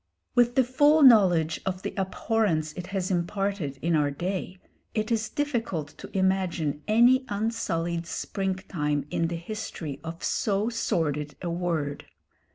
With the full knowledge of the abhorrence it has imparted in our day, it is difficult to imagine any unsullied spring time in the history of so sordid a word.